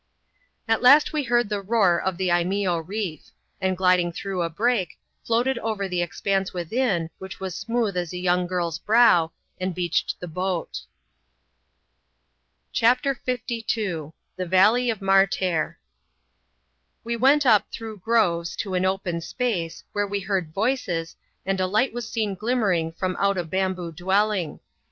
At last we heard the roar of the Lneeo reef; and gliding through a break, floated over the expanse within, which was smooth as a young girl's brow, and beached the boat. CHAP, m.} THE VALLEY OF MART AIR, 20t CHAPTER Ln. The Valley of Martair. We went up through groves to an open space, where we hearct voices, and a light was seen glimmering from out a bamboo dwelling.